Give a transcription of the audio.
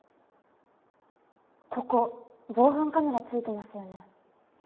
ここ防犯カメラ付いてますよね。